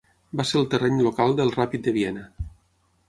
Va ser el terreny local del Rapid de Viena.